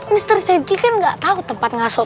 mister sergi kan nggak tau tempat ngasotu